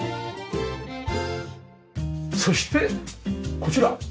そしてこちら。